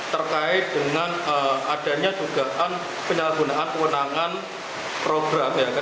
terkait dengan adanya juga penyelabunan kewenangan program